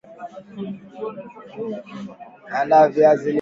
Andaa viazi lishe